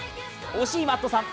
惜しい、マットさん。